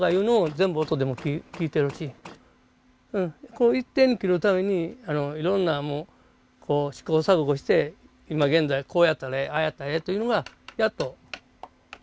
こう一定に切るためにいろんな試行錯誤して今現在こうやったらええああやったらええというのがやっとできてきたという。